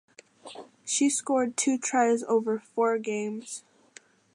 She scored two tries over four games.